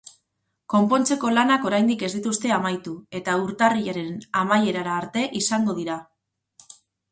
Konpontzeko lanak oraindik ez dituzte amaitu, eta urtarrilaren amaierara arte izango dira.